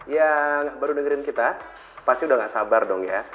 yang baru dengerin kita pasti udah gak sabar dong ya